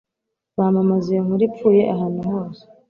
bamamaza iyo nkuru ipfuye ahantu hose.